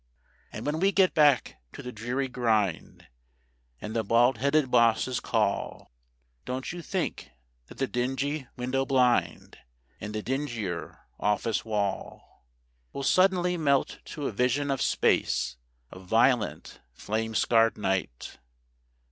And when we get back to the dreary grind, and the bald headed boss's call, Don't you think that the dingy window blind, and the dingier office wall, Will suddenly melt to a vision of space, of violent, flame scarred night?